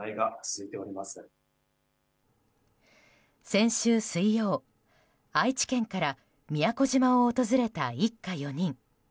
先週水曜、愛知県から宮古島を訪れた一家４人。